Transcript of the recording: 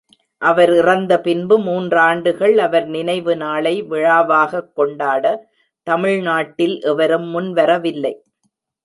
அவர் இறந்த பின்பு மூன்றாண்டுகள் அவர் நினைவு நாளை விழாவாகக் கொண்டாட தமிழ்நாட்டில் எவரும் முன்வரவில்லை.